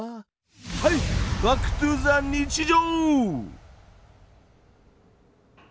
はいバックトゥーザ日常！